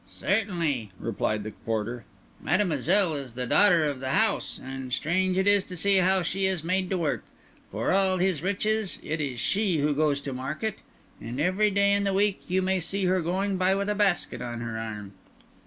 "Certainly," replied the porter. "Mademoiselle is the daughter of the house; and strange it is to see how she is made to work. For all his riches, it is she who goes to market; and every day in the week you may see her going by with a basket on her arm."